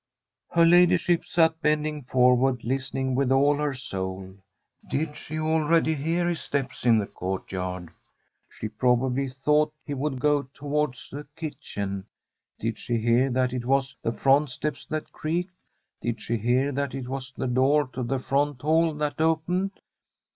Her ladyship sat bending forward, listening with all her soul. Did she already hear his steps in the court yard? She probably thought he would go towards the kitchen. Did she hear that it was the front steps that creaked? Did she hear that it was the door to the front hall that opened?